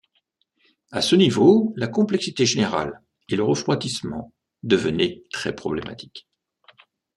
À ce niveau, la complexité générale et le refroidissement devenaient très problématiques.